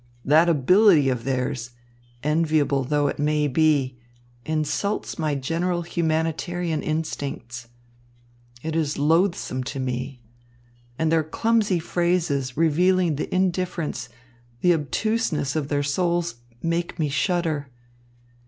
That ability of theirs, enviable though it may be, insults my general humanitarian instincts. It is loathsome to me. And their clumsy phrases revealing the indifference, the obtuseness of their souls make me shudder.